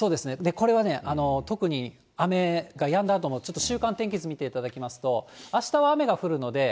これはね、特に雨がやんだあとも、ちょっと週間天気図見ていただきますと、あしたは雨が降るので。